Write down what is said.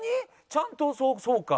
ちゃんとそうか。